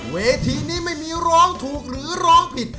เวทีนี้ไม่มีร้องถูกหรือร้องผิด